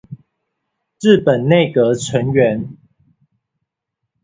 日本內閣成員